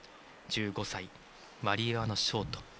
１５歳、ワリエワのショート。